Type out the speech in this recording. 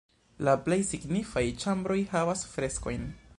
La plej signifaj ĉambroj havas freskojn.